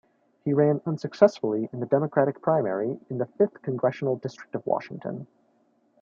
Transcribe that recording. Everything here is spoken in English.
He ran unsuccessfully in the Democratic primary in the Fifth Congressional District of Washington.